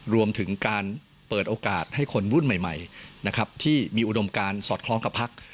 รวมถึงการเปิดโอกาสให้คนรุ่นใหม่นะครับที่มีอุดมการสอดคล้องกับพัก